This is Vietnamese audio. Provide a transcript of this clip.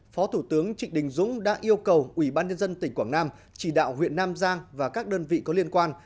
phó thủ tướng trịnh đình dũng đã yêu cầu ủy ban nhân dân tỉnh quảng nam chỉ đạo huyện nam giang và các đơn vị có liên quan